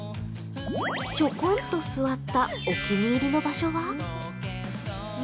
ちょこんと座ったお気に入りの場所は？